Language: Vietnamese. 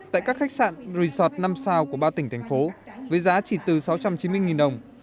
tại các khách sạn resort năm sao của ba tỉnh thành phố với giá chỉ từ sáu trăm chín mươi đồng